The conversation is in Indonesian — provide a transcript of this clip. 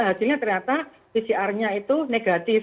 hasilnya ternyata pcr nya itu negatif